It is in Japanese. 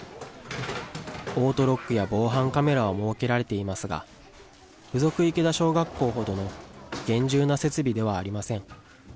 オートロックや防犯カメラは設けられていますが、附属池田小学校ほどの厳重な設備ではありません。